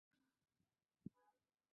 不过固定财产一词日渐少使用了。